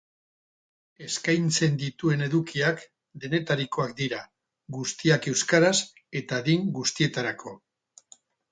Eskaintzen dituen edukiak denetarikoak dira, guztiak euskaraz eta adin guztietarako.